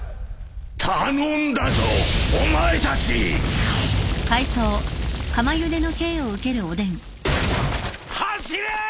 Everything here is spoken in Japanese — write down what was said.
頼んだぞお前たち！走れー！